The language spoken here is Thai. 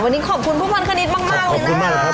วันนี้ขอบคุณผู้พันคณิตมากเลยนะคะ